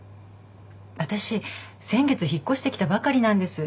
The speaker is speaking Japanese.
私先月引っ越してきたばかりなんです。